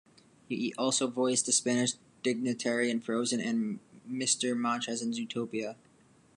He also voiced the Spanish Dignitary in "Frozen" and Mr. Manchas in "Zootopia".